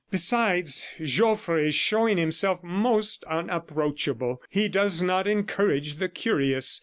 "Besides, Joffre is showing himself most unapproachable; he does not encourage the curious.